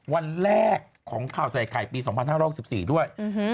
วันแรกของข่าวใส่ไข่ปี๒๕๖๔ด้วย